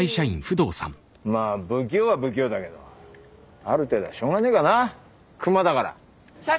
まあ不器用は不器用だけどある程度はしょうがねえかな熊だから。